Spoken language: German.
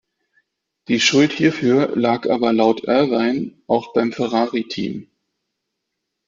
Die Schuld hierfür lag aber laut Irvine auch beim Ferrari-Team.